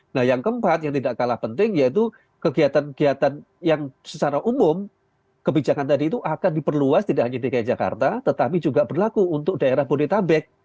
nah yang keempat yang tidak kalah penting yaitu kegiatan kegiatan yang secara umum kebijakan tadi itu akan diperluas tidak hanya dki jakarta tetapi juga berlaku untuk daerah bodetabek